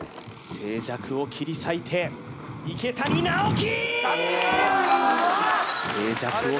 静寂を切り裂いて池谷直樹！